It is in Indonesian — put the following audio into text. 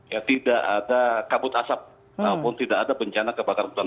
ya tidak ada kabut asap maupun tidak ada bencana kebakaran hutan